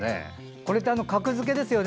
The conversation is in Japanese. これは格付けですよね。